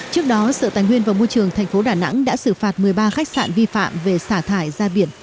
trước đó sở tài nguyên và môi trường tp đà nẵng đã xử phạt một mươi ba khách sạn vi phạm về xả thải ra biển